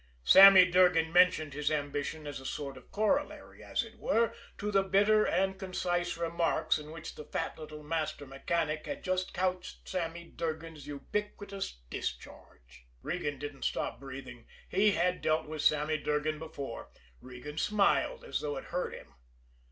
Sammy Durgan mentioned his ambition as a sort of corollary, as it were, to the bitter and concise remarks in which the fat little master mechanic had just couched Sammy Durgan's ubiquitous discharge. Regan didn't stop breathing he had dealt with Sammy Durgan before. Regan smiled as though it hurt him.